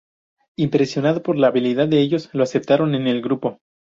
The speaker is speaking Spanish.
Impresionado por su habilidad, ellos lo aceptaron en el grupo.